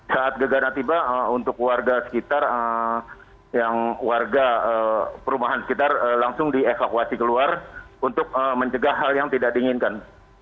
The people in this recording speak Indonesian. saat gegana tiba untuk warga sekitar yang warga perumahan sekitar langsung dievakuasi keluar untuk mencegah hal yang tidak diinginkan